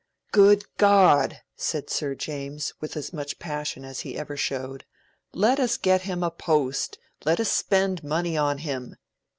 "Good God!" said Sir James, with as much passion as he ever showed, "let us get him a post; let us spend money on him.